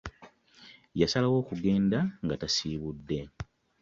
Yasalawo okugenda nga tasibudde.